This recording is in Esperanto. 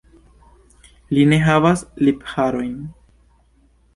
Li ne havas lipharojn.